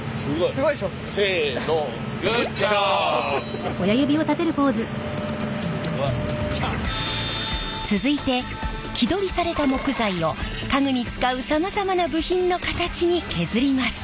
すごい。続いて木取りされた木材を家具に使うさまざまな部品の形に削ります。